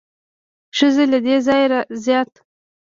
ښځې له دې څخه زیات